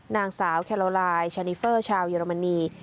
นางสาวแคโลลายชานิเฟอร์ชาวเยอรมนี